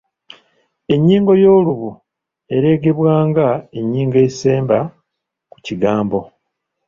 ennyingo y’olubu ereegebwa nga ennyingo esemba ku kigambo